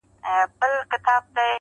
نوره خندا نه کړم زړگيه، ستا خبر نه راځي.